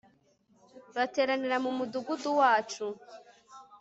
Bateranira mu mudugudu wacu